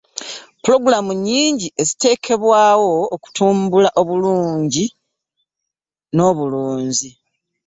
pulogulaamu nnyingi eziteekebwayo okutumbula obulungi n'obulunzi